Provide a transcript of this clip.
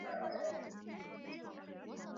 لا تصعّب الأمر يا رجل.